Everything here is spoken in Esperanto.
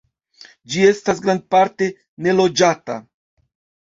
Ĝi estas grandparte neloĝata.